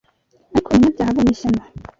Ariko umunyabyaha abonye ishyano!